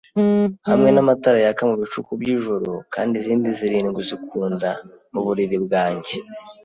hamwe namatara yaka mubicuku byijoro Kandi izindi zirindwi zikunda muburiri bwanjye